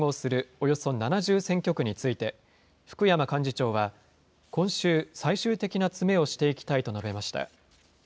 およそ７０選挙区について、福山幹事長は、今週、最終的な詰めをしていきたいと述べました。